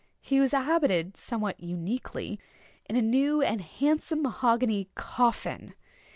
He was habited, somewhat uniquely, in a new and handsome mahogany coffin.